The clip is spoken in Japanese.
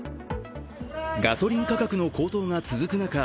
ガソリン価格の高騰が続く中